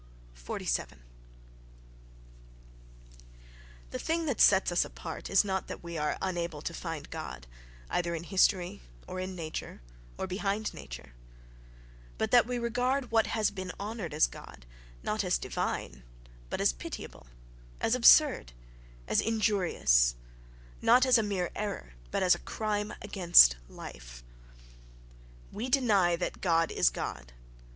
47. —The thing that sets us apart is not that we are unable to find God, either in history, or in nature, or behind nature—but that we regard what has been honoured as God, not as "divine," but as pitiable, as absurd, as injurious; not as a mere error, but as a crime against life.... We deny that God is God....